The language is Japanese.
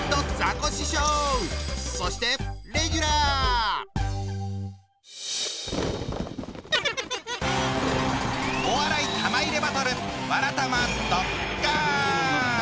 そしてお笑い玉入れバトル